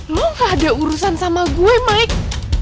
lo gak ada urusan sama gue mike